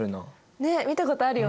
ねっ見たことあるよね。